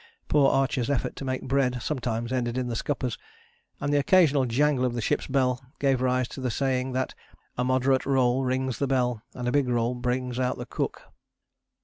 Poor Archer's efforts to make bread sometimes ended in the scuppers, and the occasional jangle of the ship's bell gave rise to the saying that "a moderate roll rings the bell, and a big roll brings out the cook."